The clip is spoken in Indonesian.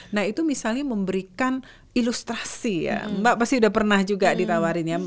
nah itu misalnya memberikan ilustrasi ya mbak pasti udah pernah juga ditawarin ya